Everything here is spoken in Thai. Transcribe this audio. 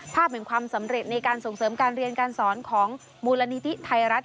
ภาพแห่งความสำเร็จในการส่งเสริมการเรียนการสอนของมูลนิธิไทยรัฐ